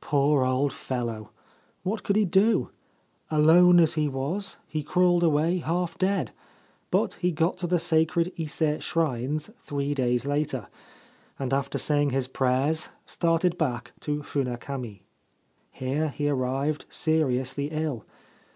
Poor old fellow ! What could he do ? Alone as he was, he crawled away half dead ; but he got to the sacred Ise shrines three days later, and after saying his prayers started back to Funakami. Here he arrived seriously ill.